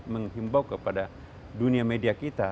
menghimbau kepada dunia media kita